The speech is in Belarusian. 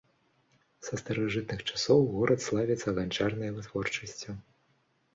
Са старажытных часоў горад славіцца ганчарнай вытворчасцю.